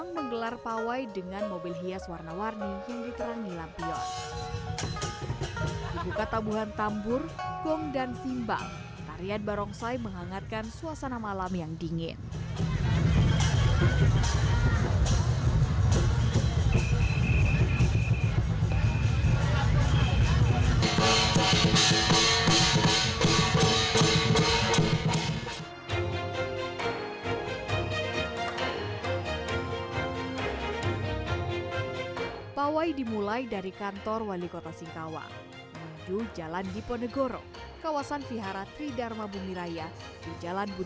tapi lebih kekeseluan keberpahuan dan rasa syukur atas kerajaan